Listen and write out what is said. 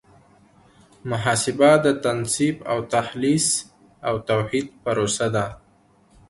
محاسبه د تنصیف او تخلیص او توحید پروسه ده.